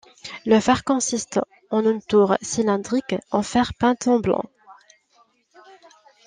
Le phare consiste en une tour cylindrique en fer peinte en blanc.